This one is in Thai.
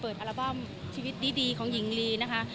เปิดอาลาบอร์บอัลบัมชีวิตดีของหญิงลีนะคะ